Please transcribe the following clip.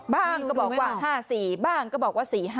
บ้างก็บอกว่า๕๔บ้างก็บอกว่า๔๕